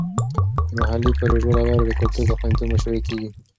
د محلي پروژو له لارې د کلتور د خوندیتوب مشورې کیږي.